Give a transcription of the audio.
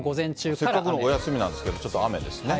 せっかくのお休みなんですけど、ちょっと雨ですね。